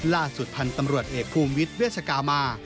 ล่าสุดพันธ์ตำรวจเอกภูมิวิทย์เวชกามา